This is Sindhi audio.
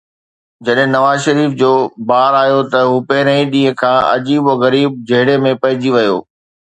جڏهن نواز شريف جو بار آيو ته هو پهرئين ڏينهن کان عجيب و غريب جهيڙي ۾ پئجي ويو.